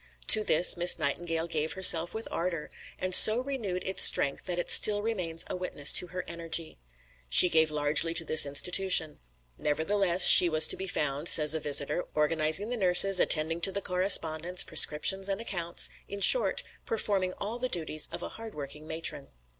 To this Miss Nightingale gave herself with ardour, and so renewed its strength that it still remains a witness to her energy. She gave largely to this institution. Nevertheless she was to be found, says a visitor, "organising the nurses, attending to the correspondence, prescriptions and accounts; in short, performing all the duties of a hard working matron."